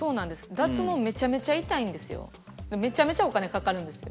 脱毛めちゃめちゃ痛いんですよ。でめちゃめちゃお金かかるんですよ。